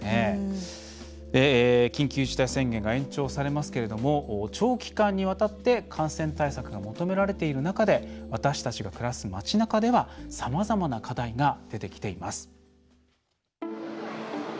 緊急事態宣言が延長されますけれども長期間にわたって感染対策が求められている中で私たちが暮らす街なかではさまざまな課題が出てきています。